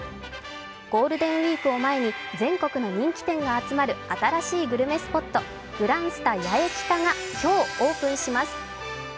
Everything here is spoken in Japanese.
ゴールデンウイークを前に全国の人気店が集まる新しいグルメスポット、グランスタ八重北が今日、オープンします。